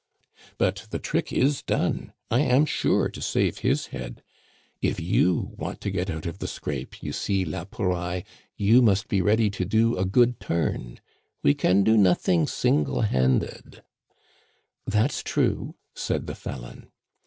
"But the trick is done. I am sure to save his head. If you want to get out of the scrape, you see, la Pouraille, you must be ready to do a good turn we can do nothing single handed " "That's true," said the felon.